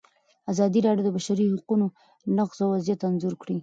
ازادي راډیو د د بشري حقونو نقض وضعیت انځور کړی.